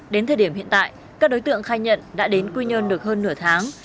đến thời điểm hiện tại các đối tượng khai nhận đã đến quy nhơn được hơn nửa tháng